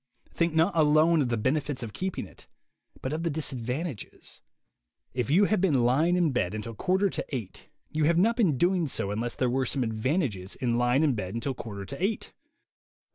Think not alone of the benefits of keeping it, but of the disad vantages. If you have been lying in bed until quarter to eight, you have not been doing so unless there were some advantages in lying in bed until quarter to eight.